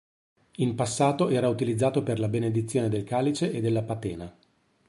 In passato era utilizzato per la benedizione del calice e della patena.